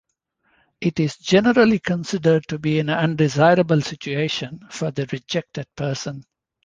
It is generally considered to be an undesirable situation for the rejected person.